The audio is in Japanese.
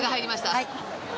はい。